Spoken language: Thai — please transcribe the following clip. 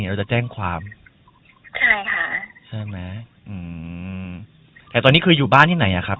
เราจะแจ้งความใช่ค่ะใช่ไหมอืมแต่ตอนนี้คืออยู่บ้านที่ไหนอ่ะครับ